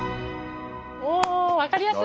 お分かりやすい！